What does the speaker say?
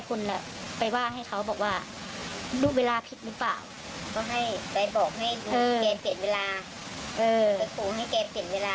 ก็ให้ไปบอกให้ดูเกรดเปลี่ยนเวลา